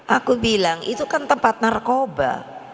aku bilang itu kan tempat narkoba